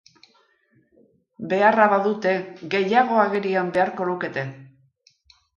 Beharra badute, gehiago agerian beharko lukete!